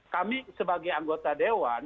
kami sebagai anggota dewan